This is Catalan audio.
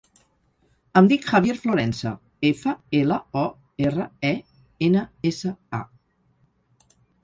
Em dic Javier Florensa: efa, ela, o, erra, e, ena, essa, a.